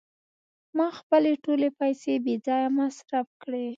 ما خپلې ټولې پیسې بې ځایه مصرف کړې.